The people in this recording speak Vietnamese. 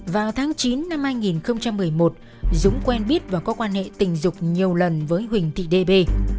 vào tháng chín năm hai nghìn một mươi một dũng quen biết và có quan hệ tình dục nhiều lần với huỳnh thị d bê